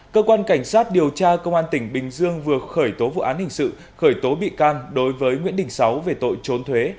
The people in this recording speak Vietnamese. cơ quan cảnh sát điều tra công an tỉnh bình dương vừa khởi tố vụ án hình sự khởi tố bị can đối với nguyễn đình sáu về tội trốn thuế